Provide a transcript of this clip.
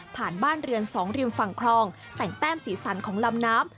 บ้านเรือน๒ริมฝั่งคลองแต่งแต้มสีสันของลำน้ำ